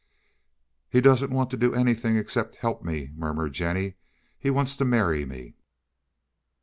"He doesn't want to do anything except help me," murmured Jennie. "He wants to marry me."